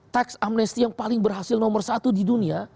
tax amnesty yang paling berhasil nomor satu di dunia